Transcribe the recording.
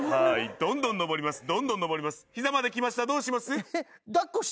どんどん登ります。